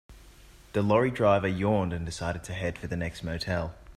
The lorry driver yawned and decided to head for the next motel.